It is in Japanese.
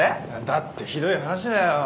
だってひどい話だよ。